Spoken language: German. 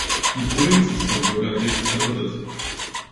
Die Provinz ist vom Bürgerkrieg zerrüttet.